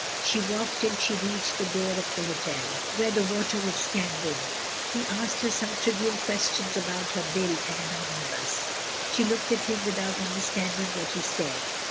She walked till she reached the door of the hotel, where the waiter was stand 136 MRS. DYMOND. ing. He asked her some trivial questions abou: her bill, and an omnibus. She looked at him with out understanding what he said.